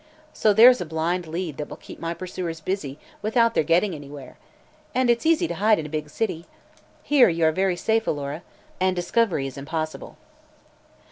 So there's a blind lead that will keep my pursuers busy without their getting anywhere. It's easy to hide in a big city. Here you are very safe, Alora, mid discovery is impossible."